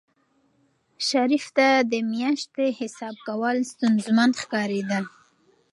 شریف ته د میاشتې حساب کول ستونزمن ښکارېدل.